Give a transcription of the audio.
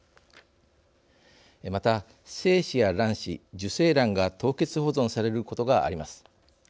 また精子や卵子受精卵が凍結保存されることがあります。